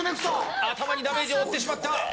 頭にダメージを負ってしまった。